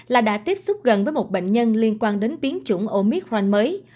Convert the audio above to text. là đã tiếp xúc gần với một bệnh nhân liên quan đến biến chủng omitrand mới